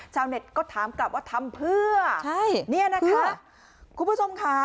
ชาวเน็ตก็ถามกลับว่าทำเพื่อคุณผู้ชมค่ะ